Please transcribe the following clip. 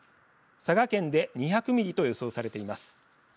佐賀県で２００ミリと予想されています。